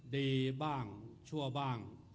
ดีบ้างชั่วบ้าง